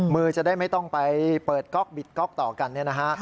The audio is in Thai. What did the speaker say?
มือจะได้ไม่ต้องไปเปิดก๊อกบิดก๊อกต่อกันนะครับ